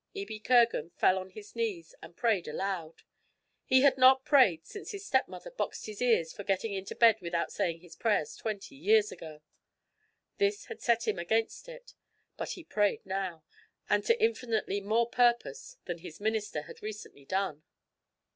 Ebie Kirgan fell on his knees and prayed aloud. He had not prayed since his stepmother boxed his ears for getting into bed without saying his prayers twenty years ago. This had set him against it. But he prayed now, and to infinitely more purpose than his minister had recently done.